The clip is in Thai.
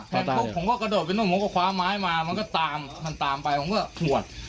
แทงปุ๊บผมก็กระโดดไปโน่นผมก็คว้าม้ายมามันก็ตามตามไปผมก็หวด